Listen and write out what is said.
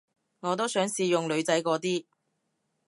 我都想試用女仔嗰啲